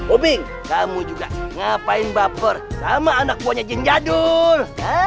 obing kamu juga ngapain baper sama anak buahnya jeng jadul